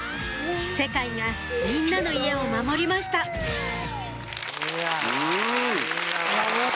世界がみんなの家を守りました守った。